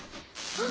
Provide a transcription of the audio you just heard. あっ！